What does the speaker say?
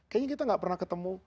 kayaknya kita gak pernah ketemu